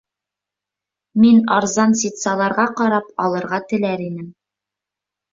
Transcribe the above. Мин арзан ситсаларға ҡарап алырға теләр инем